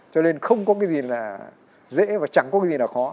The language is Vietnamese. cho nên không có cái gì là dễ và chẳng có cái gì nào khó